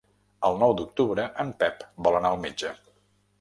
El nou d'octubre en Pep vol anar al metge.